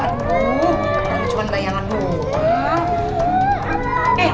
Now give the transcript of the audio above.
aduh cuma bayangan doang